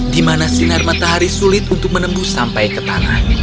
di mana sinar matahari sulit untuk menembus sampai ke tanah